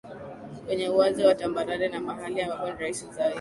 kwenye uwazi na tambarare na mahali ambapo ni rahisi zaidi